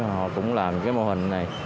họ cũng làm cái mô hình này